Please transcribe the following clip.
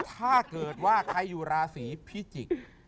ถ้าเกิดว่าใครอยู่ราศีพิจิกษ์